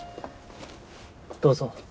・どうぞ。